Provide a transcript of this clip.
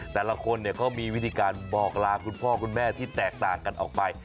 แต่ละคนเขามีวิธีการบอกลาคุณพ่อคุณแม่ที่แตกต่างกันออกไป